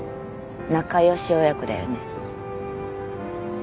仲良し親子だよね。